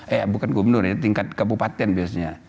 eh bukan gubernur ya tingkat kabupaten biasanya